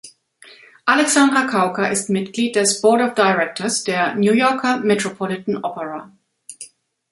Alexandra Kauka ist Mitglied des „Board of Directors“ der New Yorker Metropolitan Opera.